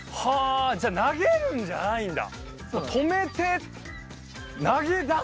じゃあ投げるんじゃないんだ。